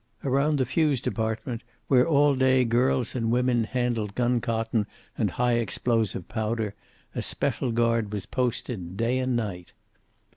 Around the fuse department, where all day girls and women handled guncotton and high explosive powder, a special guard was posted, day and night.